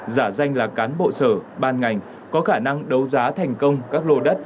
giả danh là cán bộ sở ban ngành có khả năng đấu giá thành công các lô đất